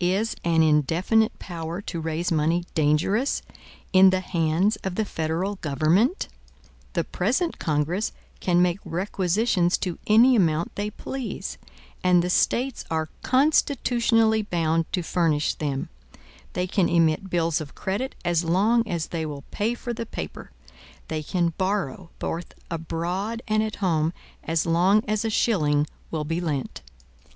Is an indefinite power to raise money dangerous in the hands of the federal government? The present Congress can make requisitions to any amount they please, and the States are constitutionally bound to furnish them; they can emit bills of credit as long as they will pay for the paper; they can borrow, both abroad and at home, as long as a shilling will be lent.